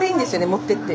持ってって。